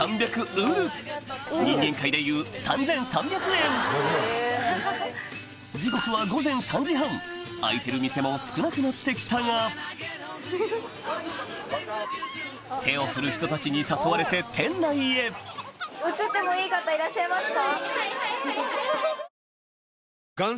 ウル人間界でいう３３００円時刻は開いてる店も少なくなってきたが手を振る人たちに誘われて店内へいらっしゃいますか？